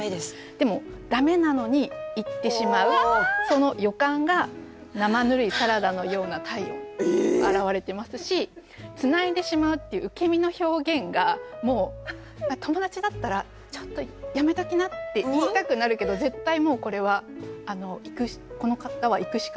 でも駄目なのにいってしまうその予感が「生ぬるいサラダのような体温」表れてますし「繋いでしまう」っていう受け身の表現がもう友達だったら「ちょっとやめときな」って言いたくなるけど絶対もうこれはこの方はいくしかない。